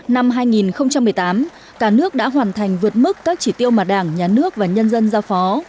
năm hai nghìn một mươi tám cả nước đã hoàn thành vượt mức các chỉ tiêu mà đảng nhà nước và nhân dân giao phó